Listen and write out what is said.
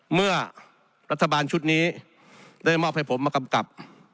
เมื่อรัฐบาลชุดนี้ได้มอบให้ผมมากำกับ